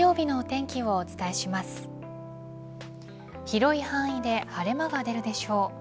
広い範囲で晴れ間が出るでしょう。